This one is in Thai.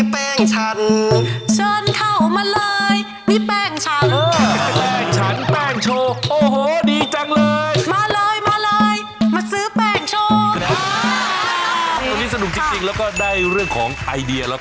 แป้งโชว์พี่จะขายดีนะเอาสักข้อนพี่